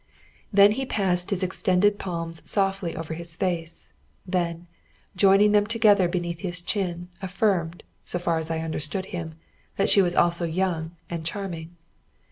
Then he passed his extended palms softly over his face, then, joining them together beneath his chin, affirmed, so far as I understood him, that she was also young and charming.